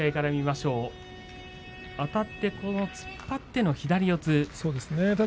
あたって突っ張っての左四つです。